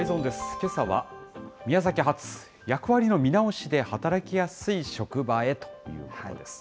けさは、宮崎発、役割の見直しで働きやすい職場へということです。